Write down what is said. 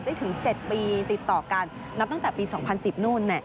ถึง๗ปีติดต่อกันนับตั้งแต่ปี๒๐๑๐นู่น